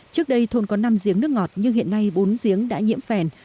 trước đây thôn có năm giếng nước ngọt nhưng hiện nay bốn giếng đã nhiễm phèn